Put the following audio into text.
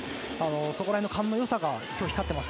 そこら辺の勘の良さが今日は光っています。